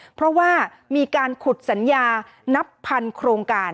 เพราะว่ามีการขุดสัญญานับพันโครงการ